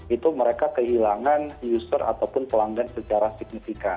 itu mereka kehilangan user ataupun pelanggan secara signifikan